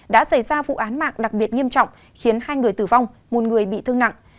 đã xảy ra vụ án mạng đặc biệt nghiêm trọng khiến hai người tử vong một người bị thương nặng